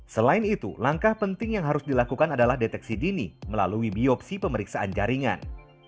selain itu langkah penting yang harus dilakukan adalah deteksi dini melalui biopsi pemeriksaan jaringan